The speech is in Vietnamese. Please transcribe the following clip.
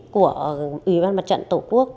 của ủy ban mặt trận tổ quốc